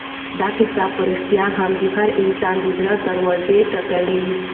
دا کیسه په رښتیا هم د هر انسان د زړه دروازه ټکوي.